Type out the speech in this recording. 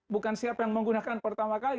bukan siapa yang menggunakan pertama kali